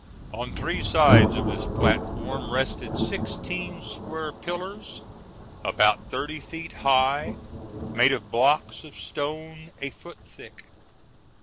On three sides of this platform rested sixteen square pillars, about thirty feet high, made of blocks of stone a foot thick.